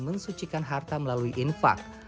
mensucikan harta melalui infak